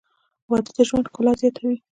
• واده د ژوند ښکلا زیاتوي.